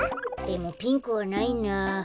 でもピンクはないな。